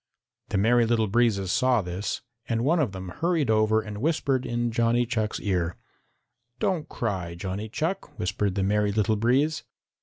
The Merry Little Breezes saw this, and one of them hurried over and whispered in Johnny Chuck's ear. "Don't cry, Johnny Chuck," whispered the Merry Little Breeze.